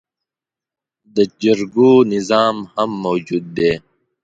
د جرګو نظام هم موجود دی